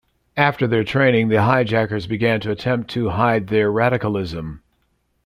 After their training, the hijackers began to attempt to hide their radicalism.